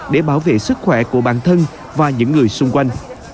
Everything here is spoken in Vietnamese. để bảo vệ sức khỏe của bản thân và những người xung quanh